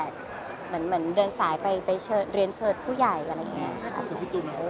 เขามีความตื่นเต้นยังไงบ้าง